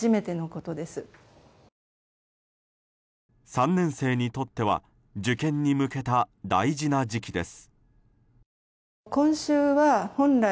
３年生にとっては受験に向けた大事な時期です。